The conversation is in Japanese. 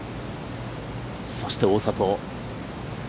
そして大里。